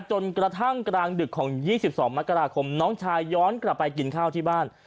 จนกระทั่งกลางดึกของ๒๒มกราคมน้องชายย้อนกลับไปกินข้าวที่บ้าน